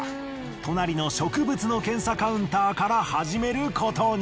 隣の植物の検査カウンターから始めることに。